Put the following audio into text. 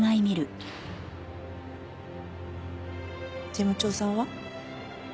事務長さんは？